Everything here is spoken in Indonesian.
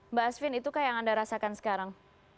mbak asvin itukah yang anda rasakan sekarang